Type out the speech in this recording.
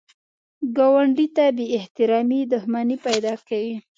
ګاونډي ته بې احترامي دښمني پیدا کوي